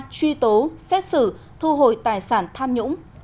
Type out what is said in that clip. truy tố xét xử thu hồi tài sản tham nhũng